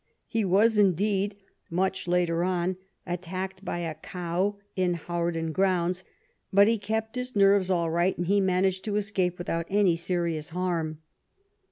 He was, indeed, much later on, attacked by a cow in Hawarden grounds, but he kept his nerves all right, and he managed to escape without any serious harm.